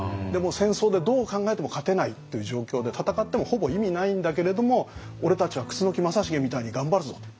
戦争でどう考えても勝てないっていう状況で戦ってもほぼ意味ないんだけれども俺たちは楠木正成みたいに頑張るぞと。